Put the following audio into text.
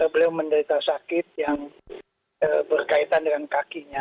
beliau menderita sakit yang berkaitan dengan kakinya